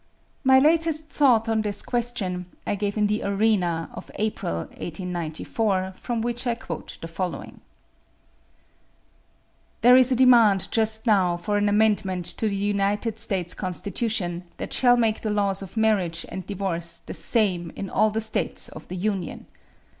My latest thought on this question I gave in The Arena of April, 1894, from which I quote the following: "There is a demand just now for an amendment to the United States Constitution that shall make the laws of marriage and divorce the same in all the States of the Union.